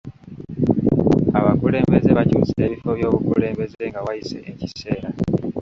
Abakulembeze bakyusa ebifo by'obukulembeze nga wayise ekiseera.